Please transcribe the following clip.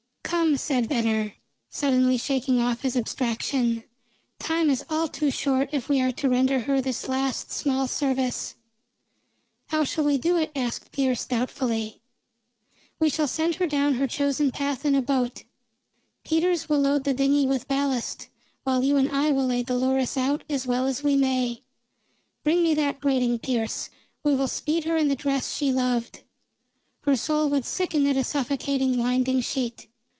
"Come," said Venner, suddenly shaking off his abstraction, "time is all too short if we are to render her this last small service." "How shall we do it?" asked Pearse doubtfully. "We shall send her down her chosen path in a boat. Peters will load the dingey with ballast, while you and I will lay Dolores out as well as we may. Bring me that grating, Pearse. We will speed her in the dress she loved. Her soul would sicken at a suffocating winding sheet.